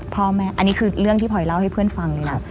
พ่อแม่อันนี้คือเรื่องที่พลอยเล่าให้เพื่อนฟังเลยนะ